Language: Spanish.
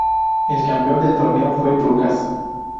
El campeón del torneo fue Brujas.